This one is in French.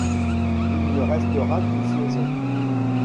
Il ne restera qu'une saison.